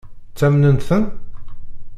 Ttamnen-ten?